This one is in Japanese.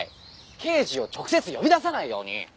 刑事を直接呼び出さないように。